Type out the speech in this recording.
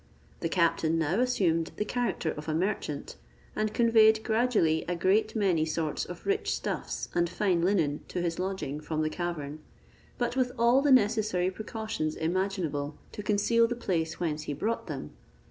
The captain now assumed the character of a merchant, and conveyed gradually a great many sorts of rich stuffs and fine linen to his lodging from the cavern, but with all the necessary precautions imaginable to conceal the place whence he brought them.